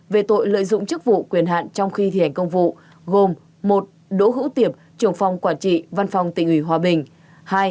về tội lợi dụng chức vụ quyền hạn trong khi thi hành công vụ gồm một đỗ hữu tiệp trưởng phòng quản trị văn phòng tỉnh ủy hòa bình